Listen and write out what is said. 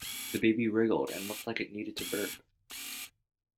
The baby wriggled and looked like it needed to burp.